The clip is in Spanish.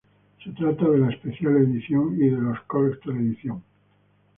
Se trata de la "Special Edition" y la "Collector's Edition".